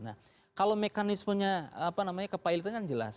nah kalau mekanismenya apa namanya kepalitan kan jelas